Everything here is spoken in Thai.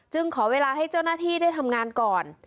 ขอเวลาให้เจ้าหน้าที่ได้ทำงานก่อน